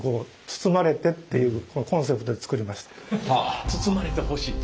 ここね包まれてほしいと。